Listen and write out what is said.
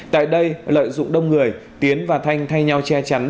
tại đây lợi dụng đông người tiến và thanh thay nhau che chắn